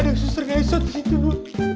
itu ada suster ngesot di situ bu